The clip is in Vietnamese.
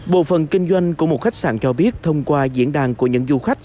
bộ phần kinh doanh của một khách sạn cho biết thông qua diễn đàn của những du khách